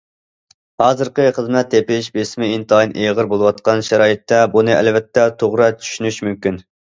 ھازىرقى خىزمەت تېپىش بېسىمى ئىنتايىن ئېغىر بولۇۋاتقان شارائىتتا بۇنى ئەلۋەتتە توغرا چۈشىنىش مۇمكىن.